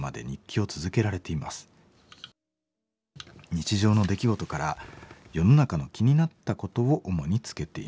日常の出来事から世の中の気になったことを主につけています。